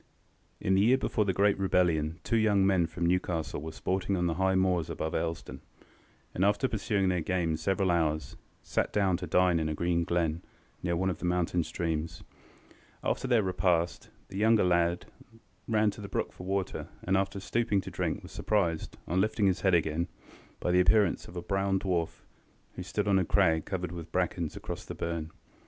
In the year before the great rebellion two young men from Newcastle were sporting on the high moors above Elsdon, and, after pursuing their game several hours, sat down to dine in a green glen, near one of the mountain streams. After their repast, the younger lad ran to the brook for water, and, after stooping to drink, was surprised, on lifting his head again, by the appearance of a brown dwarf, who stood on a crag covered with brackens across the burn.